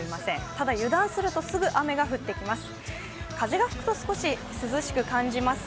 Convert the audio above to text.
ただ油断するとすぐ雨が降ってきます。